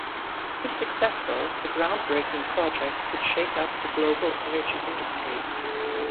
If successful, the groundbreaking project could shake up the global energy industry.